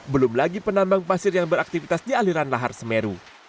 belum lagi penambang pasir yang beraktivitas di aliran lahar semeru